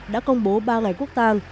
đã công bố ba ngày quốc tàng